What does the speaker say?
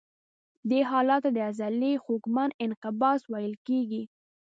دې حالت ته د عضلې خوږمن انقباض ویل کېږي.